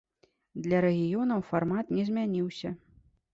Для рэгіёнаў фармат не змяніўся.